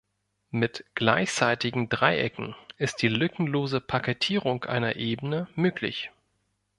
Mit gleichseitigen Dreiecken ist die lückenlose Parkettierung einer Ebene möglich.